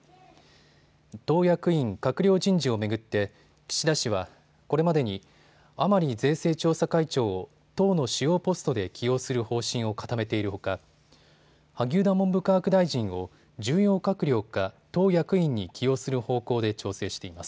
党役員・閣僚人事を巡って岸田氏はこれまでに甘利税制調査会長を党の主要ポストで起用する方針を固めているほか萩生田文部科学大臣を重要閣僚か党役員に起用する方向で調整しています。